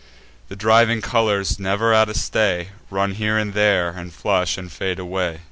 The driving colours, never at a stay, Run here and there, and flush, and fade away.